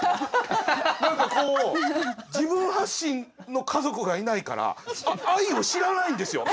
何かこう自分発信の家族がいないから愛を知らないんですよ。